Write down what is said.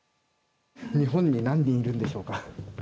日本に何人いるんでしょうか。